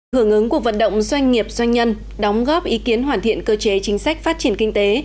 hưởng ứng cuộc vận động doanh nghiệp doanh nhân đóng góp ý kiến hoàn thiện cơ chế chính sách phát triển kinh tế